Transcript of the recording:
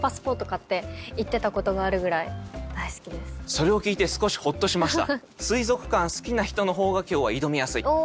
それを聞いて少しほっとしました。